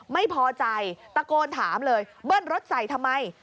ไม่พอใจตะโกนถามเลยเบิ้ลรถใส่ทำไม